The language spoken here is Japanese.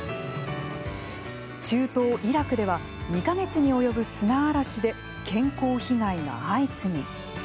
中東イラクでは、２か月に及ぶ砂嵐で健康被害が相次ぎ。